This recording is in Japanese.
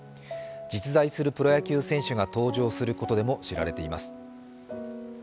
実在するプロ野球選手が、登場することでも知られています